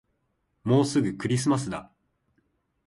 もうすぐクリスマスだ